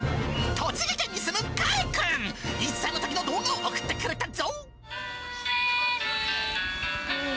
栃木県に住むかえくん、１歳のときの動画を送ってくれたぞ。